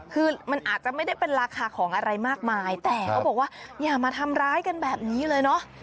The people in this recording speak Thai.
คือมันอาจจะไม่ได้เป็นราคาของอะไรมากมายแต่เขาบอกว่าอย่ามาทำร้ายกันแบบนี้เลยเนอะ